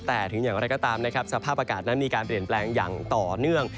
แต่ถึงอย่างไรก็ตามนะครับสภาพอากาศนั้นมีการเปลี่ยนแปลงอย่างต่อเนื่อง